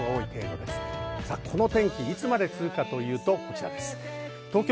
この天気いつまで続くのか、こちらです。